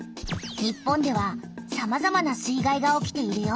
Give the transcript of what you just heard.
日本ではさまざまな水害が起きているよ。